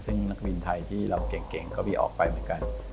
ซึ่งนักบินไทยที่เราเก่งก็มีออกไปเหมือนกัน